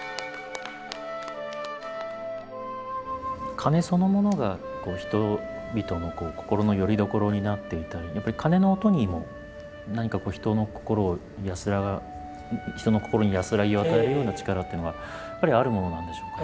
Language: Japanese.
鐘そのものが人々の心のよりどころになっていたりやっぱり鐘の音にも何か人の心を人の心に安らぎを与えるような力っていうのがやっぱりあるものなんでしょうか？